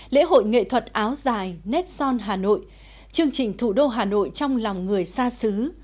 lễ hội nghệ thuật áo dài netson hà nội chương trình thủ đô hà nội trong lòng người xa xứ